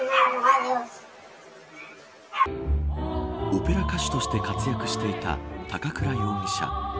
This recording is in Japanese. オペラ歌手として活躍していた高倉容疑者。